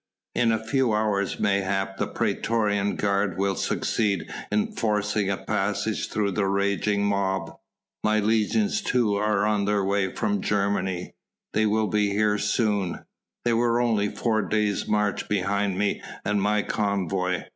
In a few hours mayhap the praetorian guard will succeed in forcing a passage through the raging mob ... my legions too are on their way from Germany ... they will be here soon ... they were only four days' march behind me and my convoy